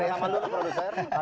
salam dulu produser